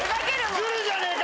ズルじゃねえか！